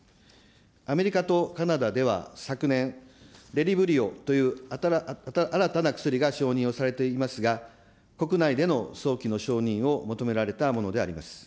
アメリカとカナダでは昨年、デリブリオという新たな薬が承認をされておりますが、国内での早期の承認を求められたものであります。